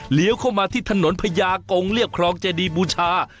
เข้ามาที่ถนนพญากงเรียบครองเจดีบูชา